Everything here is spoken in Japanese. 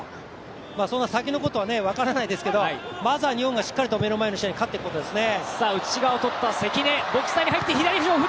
そんな先のことは分からないですけどまずは、日本が目の前の試合しっかり勝っていくことですね。